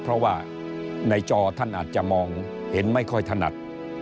เพราะว่าในจอท่านอาจจะมองเห็นไม่ค่อยถนัด